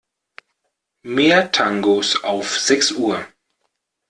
Mehr Tangos auf sechs Uhr.